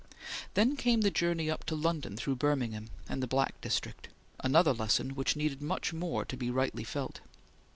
Then came the journey up to London through Birmingham and the Black District, another lesson, which needed much more to be rightly felt.